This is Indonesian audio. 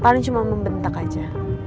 paling cuma membentak aja